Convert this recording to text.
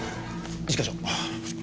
一課長。